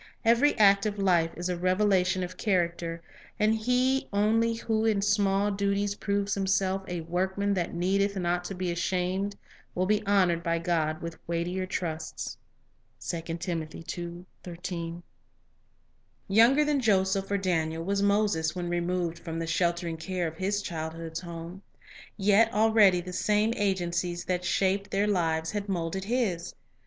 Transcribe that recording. Every act of life is a revela tion of character, and he only who in small duties proves himself "a workman that needeth not to be ashamed," 1 will be honored by God with weightier trusts. for All Younger than Joseph or Daniel was Moses when removed from the sheltering care of his childhood's home; yet already the same agencies that shaped their lives had moulded his.